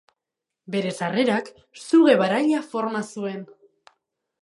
Bere sarrerak suge baraila forma zuen.